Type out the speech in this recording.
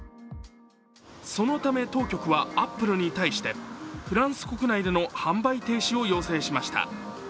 そのため、当局はアップルに対してフランス国内での販売停止を要請しました。